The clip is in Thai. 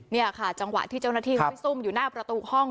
นี่ค่ะจังหวะที่เจ้าหน้าที่เขาไปซุ่มอยู่หน้าประตูห้อง